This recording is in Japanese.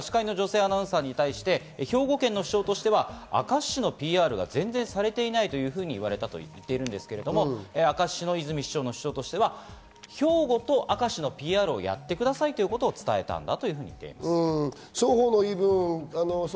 さらには司会の女性アナウンサーに対しては兵庫県の主張としては明石市のＰＲが前でされていないというふうに言われたと言っているんですが、明石市の泉市長の主張としては兵庫と明石のＰＲをやってくださいということを伝えたんだと。